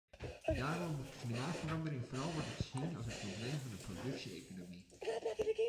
Daarom moet klimaatverandering vooral worden gezien als een probleem van de productie-economie.